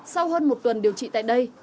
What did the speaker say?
sau hơn một tuần điều trị tại đây